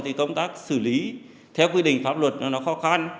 thì công tác xử lý theo quy định pháp luật nó khó khăn